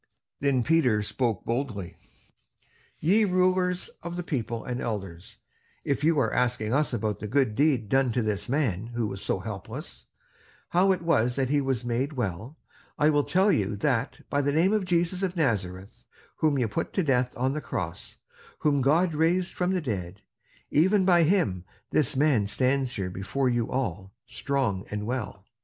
Then Peter spoke boldly: "Ye rulers of the people and elders, if you are asking us about the good deed done to this man who was so helpless, how it was that he was made well, I will tell you that by the name of Jesus of Nazareth whom you put to death on the cross, whom God raised from the dead; even by him this man stands here before you all strong and well.